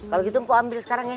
kalau gitu empu ambil sekarang ya